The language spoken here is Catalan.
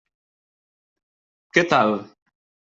Què tal?